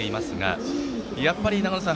やっぱり長野さん